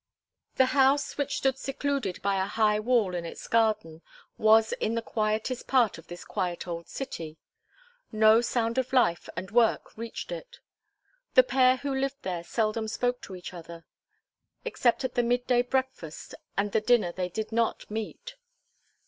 The house, which stood secluded behind a high wall in its garden, was in the quietest part of this quiet old city; no sound of life and work reached it; the pair who lived there seldom spoke to each other. Except at the midday breakfast and the dinner they did not meet.